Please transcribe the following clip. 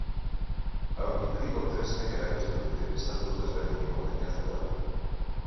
Aurkituriko tresnek erakusten dute estatus desberdineko jendea zegoela.